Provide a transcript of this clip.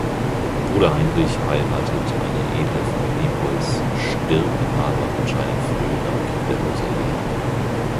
Bruder Heinrich heiratet eine Edle von Diepholz, stirbt aber anscheinend früh nach kinderloser Ehe.